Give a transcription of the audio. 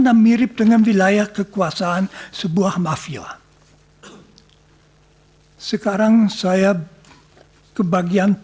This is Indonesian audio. dan mirip dengan wilayah kekuasaan sebuah masyarakat